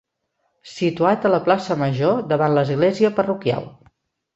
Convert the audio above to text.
Situat a la Plaça Major, davant l'església parroquial.